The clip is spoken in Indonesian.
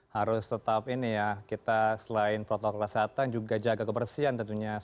harus tetap ini ya kita selain protokol kesehatan juga jaga kebersihan tentunya